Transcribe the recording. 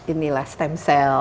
inilah stem cell